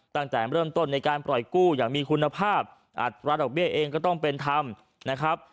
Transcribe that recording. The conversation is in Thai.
ตั้งแต่เริ่มต้นในการปล่อยกู้อย่างมีคุณภาพอัตราดอกเบี้ยเองก็ต้องเป็นธรรมนะครับ